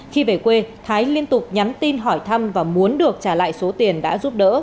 khi về quê thái liên tục nhắn tin hỏi thăm và muốn được trả lại số tiền đã giúp đỡ